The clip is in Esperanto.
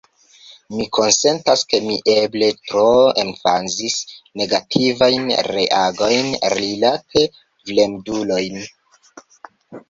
Mi konsentas, ke mi eble tro emfazis negativajn reagojn rilate fremdulojn.